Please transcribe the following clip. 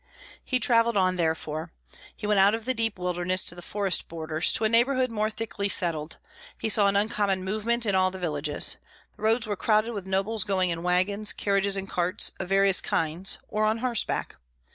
He travelled on therefore. He went out of the deep wilderness to the forest borders, to a neighborhood more thickly settled; he saw an uncommon movement in all the villages. The roads were crowded with nobles going in wagons, carriages, and carts, of various kinds, or on horseback.